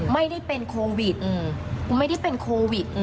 ไม่ได้เป็นโควิดไม่ได้เป็นโควิด